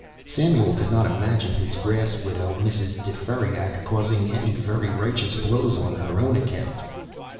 Samuel could not imagine his grass widow, Mrs. De Ferriac, causing any very righteous blows on her own account.